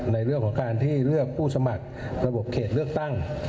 ในเรื่องของการที่เลือกผู้สมัครระบบเขตเลือกตั้ง